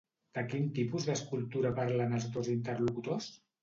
De quin tipus d'escultura parlen els dos interlocutors?